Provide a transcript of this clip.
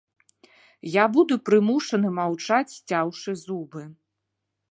Я буду прымушаны маўчаць, сцяўшы зубы.